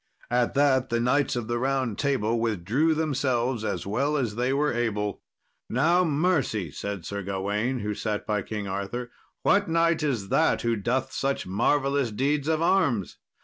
At that the Knights of the Round Table withdrew themselves as well as they were able. "Now, mercy," said Sir Gawain, who sat by King Arthur; "what knight is that who doth such marvellous deeds of arms?